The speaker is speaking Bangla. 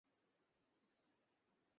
ভেবে দেখতে পারো।